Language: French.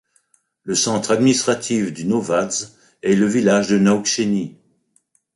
Le centre administratif du novads est le village de Naukšēni.